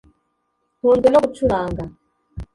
Ntunzwe no gucuranga